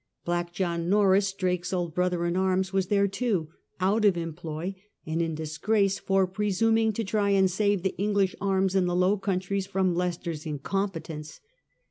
Black John Norreys, Drake's old brother in arms, was there too, out of employ and in disgrace for presuming to try and save the English arms in the Low Countries from Leicester's incompetence.